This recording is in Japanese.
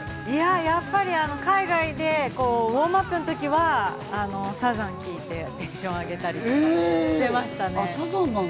やっぱり海外でウオームアップの時はサザン聴いて、テンションを上げたりとかしてましたね。